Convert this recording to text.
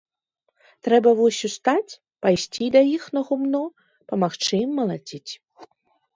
Трэба вось устаць, пайсці да іх на гумно, памагчы ім малаціць.